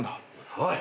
おい！